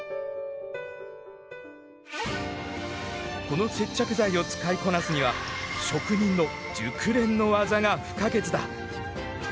この接着剤を使いこなすには職人の熟練の技が不可欠だ。